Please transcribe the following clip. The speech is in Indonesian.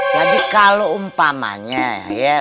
jadi kalau umpamanya ya